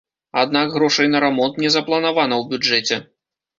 Аднак грошай на рамонт не запланавана ў бюджэце.